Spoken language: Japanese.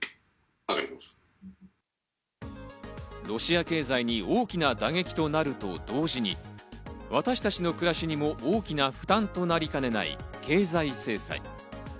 ロシア経済に大きな打撃となると同時に私たちの暮らしにも大きな負担となりかねない経済制裁。